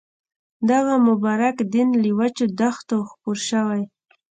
دغه مبارک دین له وچو دښتو خپور شوی.